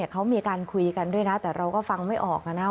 เขามีการคุยกันด้วยนะแต่เราก็ฟังไม่ออกนะ